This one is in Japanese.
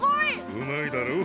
うまいだろう。